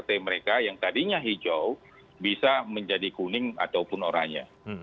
rt mereka yang tadinya hijau bisa menjadi kuning ataupun oranye